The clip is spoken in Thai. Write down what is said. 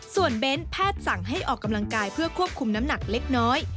ส่วนเบ้นแพทย์สั่งให้ออกกำลังกายเพื่อควบคุมน้ำหนักเล็กน้อย